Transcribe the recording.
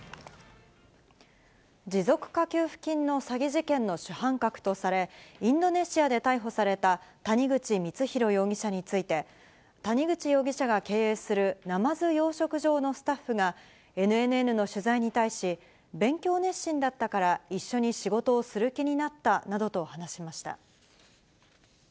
持続化給付金の詐欺事件の主犯格とされ、インドネシアで逮捕された谷口光弘容疑者について、谷口容疑者が経営するナマズ養殖場のスタッフが、ＮＮＮの取材に対し、勉強熱心だったから一緒に仕事をする気になったなどと話しました。